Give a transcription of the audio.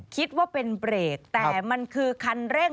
คิดว่าเป็นเบรกแต่มันคือคันเร่ง